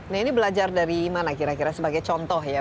nah ini belajar dari mana kira kira sebagai contoh ya